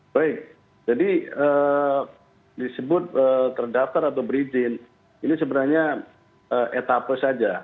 baik jadi disebut terdaftar atau berizin ini sebenarnya etapa saja